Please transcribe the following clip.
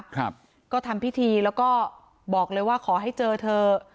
ครับก็ทำพิธีแล้วก็บอกเลยว่าขอให้เจอเถอะ